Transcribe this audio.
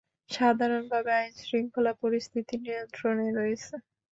সাধারণভাবে আইনশৃঙ্খলা পরিস্থিতি নিয়ন্ত্রণে রয়েছে।